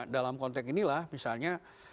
dalam konteks inilah misalnya